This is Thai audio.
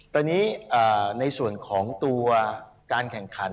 ตอนนี้ในส่วนของตัวการแข่งขัน